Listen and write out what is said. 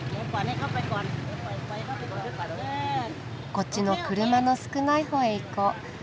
こっちの車の少ない方へ行こう。